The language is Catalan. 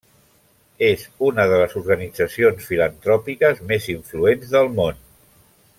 És una de les organitzacions filantròpiques més influents del món.